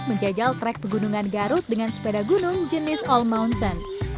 menjajal trek pegunungan garut dengan sepeda gunung jenis all mountain